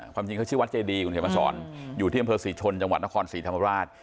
ความจริงเขาชื่อวัดเจดีคุณเขียนมาสอนอยู่ที่อำเภอศรีชนจังหวัดนครศรีธรรมราช